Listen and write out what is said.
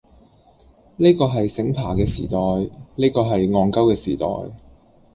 呢個係醒爬嘅時代，呢個係戇鳩嘅時代，